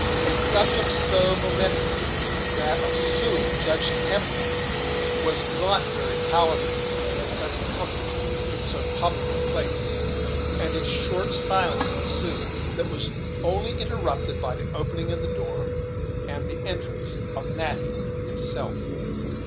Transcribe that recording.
A subject so momentous as that of suing Judge Temple was not very palatable to the present company in so public a place; and a short silence ensued, that was only interrupted by the opening of the door, and the entrance of Natty himself.